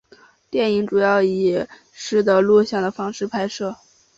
电影主要以拾得录像的方式拍摄。